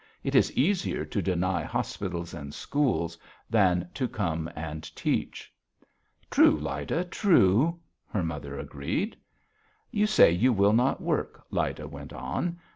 It is easier to deny hospitals and schools than to come and teach." "True, Lyda, true," her mother agreed. "You say you will not work," Lyda went on.